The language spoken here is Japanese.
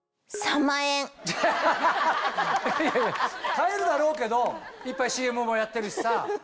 買えるだろうけどいっぱいＣＭもやってるしさ。